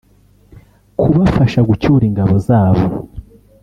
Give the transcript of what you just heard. kubafasha gucyura ingabo zabo